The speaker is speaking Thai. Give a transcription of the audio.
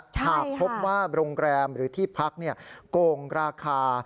หากพบว่าโรงแรมหรือที่พักโกงราคา